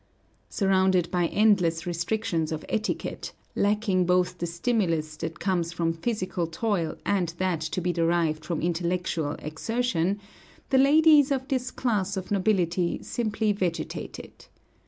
Surrounded by endless restrictions of etiquette, lacking both the stimulus that comes from physical toil and that to be derived from intellectual exertion, the ladies of this class of the nobility simply vegetated.